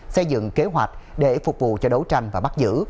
xây dựng kế hoạch để phục vụ cho đấu tranh và bắt giữ